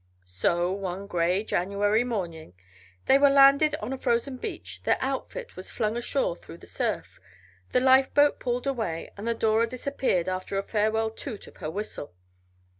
So, one gray January morning they were landed on a frozen beach, their outfit was flung ashore through the surf, the lifeboat pulled away, and the Dora disappeared after a farewell toot of her whistle.